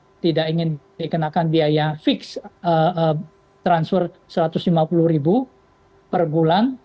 kita tidak ingin dikenakan biaya fix transfer rp satu ratus lima puluh ribu per bulan